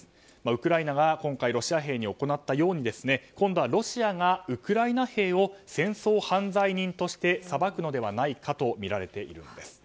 ウクライナがロシア兵に行ったように今度はロシアがウクライナ兵を戦争犯罪人として裁くのではないかとみられているんです。